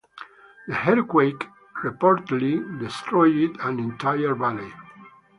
The earthquake reportedly destroyed an entire valley.